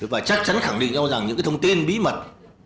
và chắc chắn khẳng định cho rằng những thông tin bí mật